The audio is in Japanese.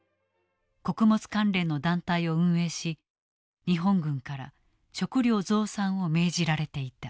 穀物関連の団体を運営し日本軍から食料増産を命じられていた。